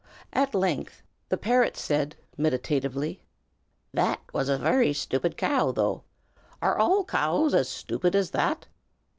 At length the parrot said, meditatively: "That was a very stupid cow, though! Are all cows as stupid as that?"